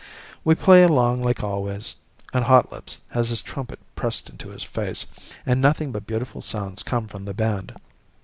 We play along like always, and Hotlips has his trumpet pressed into his face, and nothing but beautiful sounds come from the band.